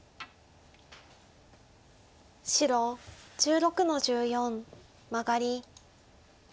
白１６の十四マガリ。